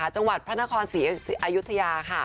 จังหวัดพระนครสีอายุทยา